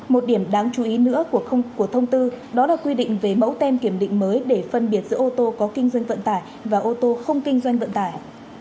một điểm đáng chú ý nữa của thông tư đó là quy định về mẫu tem kiểm định mới để phân biệt giữa ô tô có kinh doanh vận tải và ô tô không kinh doanh vận tải